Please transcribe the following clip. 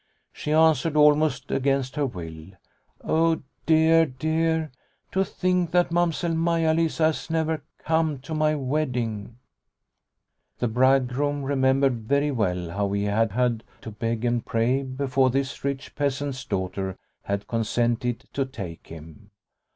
She answered almost against her will, " Oh dear, dear, to think that Mamsell Maia Lisa has never come to my wedding !" The bride groom remembered very well how he had had to beg and pray before this rich peasant's daughter had consented to take him.